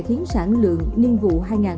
khiến sản lượng niên vụ